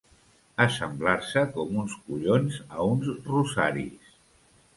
Assemblar-se com uns collons a uns rosaris.